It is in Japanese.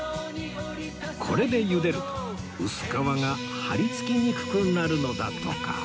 これでゆでると薄皮が張りつきにくくなるのだとか